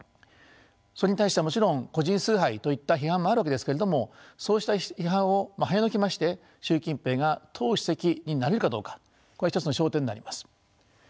それに対してはもちろん個人崇拝といった批判もあるわけですけれどもそうした批判をはねのけまして習近平が党主席になれるかどうかこれは一つの焦点になります。